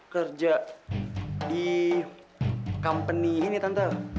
kerja di company ini tante